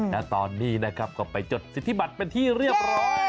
และตอนนี้นะครับก็ไปจดสิทธิบัตรเป็นที่เรียบร้อย